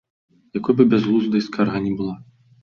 Якой бы бязглуздай скарга ні была.